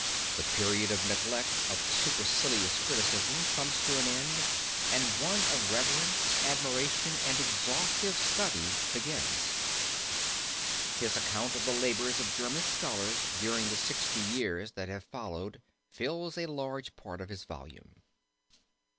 The period of neglect of supercilious criticism comes to an end, and one of reverence, admiration and exhaustive study begins. His account of the labors of German scholars during the sixty years that have followed fills a large part of his volume.